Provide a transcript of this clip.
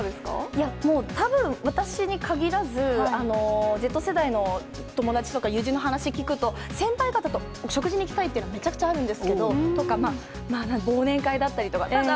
いやもう、たぶん、私に限らず、Ｚ世代の友達とか、友人の話聞くと、先輩方とお食事行きたいというのはめちゃくちゃあるんですけど、忘年会だったりとか。